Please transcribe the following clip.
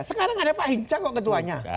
sekarang ada pak hinca kok ketuanya